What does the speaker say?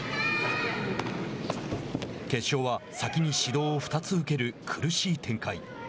決勝は、先に指導を２つ受ける苦しい展開。